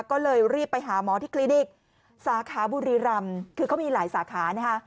ก็เลยรีบไปหาหมอที่คลินิกสาขาบุรีรำคือเขามีหลายสาขานะคะ